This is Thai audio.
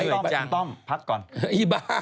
โอ้ยหน่อยจังคุณต้อมพักก่อนอีบ้า